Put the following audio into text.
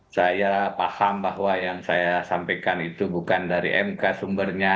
saya paham bahwa yang saya sampaikan itu bukan dari mk sumbernya